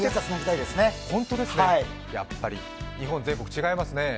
やっぱり日本全国違いますね。